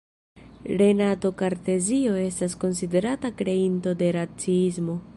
Renato Kartezio estas konsiderata kreinto de raciismo.